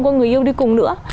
của người yêu đi cùng nữa